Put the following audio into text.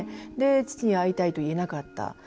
父に会いたいと言えなかった。